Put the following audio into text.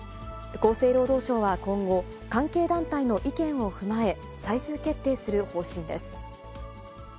厚生労働省は今後、関係団体の意見を踏まえ、最終決定する方針です。